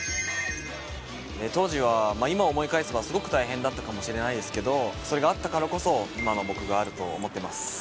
当時はまあ今思い返せばすごく大変だったかもしれないですけどそれがあったからこそ今の僕があると思ってます。